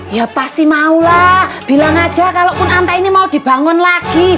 ya pasti maulah bilang aja kalau pun anta ini mau dibangun lagi